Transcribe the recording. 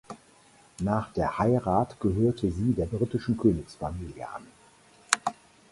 Nach der Heirat gehörte sie der britischen Königsfamilie an.